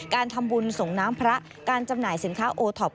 การทำบุญส่งน้ำพระการจำหน่ายสินค้าโอท็อป